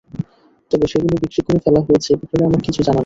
তবে সেগুলো বিক্রি করে ফেলা হয়েছে—এ ব্যাপারে আমার কিছু জানা নেই।